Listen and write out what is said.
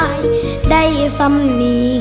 ขอบคุณค่ะ